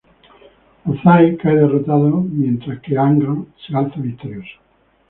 Ozai cae derrotado mientras que Aang se alza victorioso.